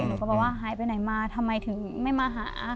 หนูก็บอกว่าหายไปไหนมาทำไมถึงไม่มาหา